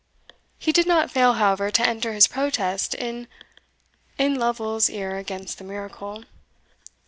He did not fail, however, to enter his protest in Lovers ear against the miracle.